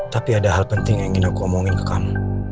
tapi ada hal penting yang ingin aku omongin ke kamu